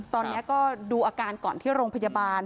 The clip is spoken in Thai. ตอนนี้ก็ดูอาการก่อนที่โรงพยาบาล